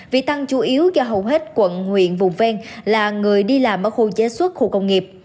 vì tăng chủ yếu do hầu hết quận huyện vùng ven là người đi làm ở khu chế xuất khu công nghiệp